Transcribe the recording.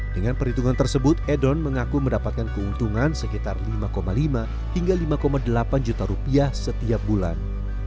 dengan perhitungan tersebut edon mengaku mendapatkan keuntungan sekitar lima lima hingga lima delapan juta rupiah setiap bulan